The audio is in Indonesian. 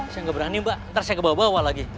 saya gak berani mbak ntar saya kebawa bawa lagi